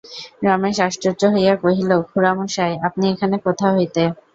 রমেশ আশ্চর্য হইয়া কহিল, খুড়ামশায়, আপনি এখানে কোথা হইতে?